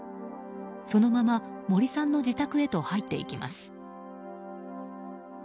そのままモリさんの自宅へと入っていきます。